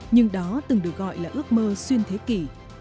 nhưng đó từng được gọi là ước mơ xuyên thế kỷ